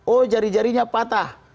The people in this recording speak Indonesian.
oh jari jarinya patah